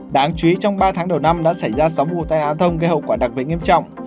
đáng chú ý trong ba tháng đầu năm đã xảy ra sáu vụ tai á thông gây hậu quả đặc biệt nghiêm trọng